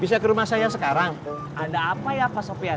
bisa ke rumah saya sekarang ada apa ya pak sofian